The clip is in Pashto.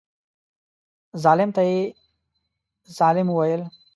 ظالم ته یې ظالم وویل.